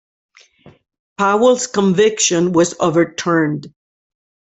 Powell's conviction was overturned.